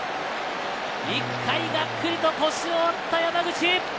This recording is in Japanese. １回、がっくりと腰を折った山口。